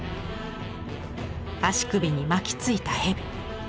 足首に巻きついた蛇。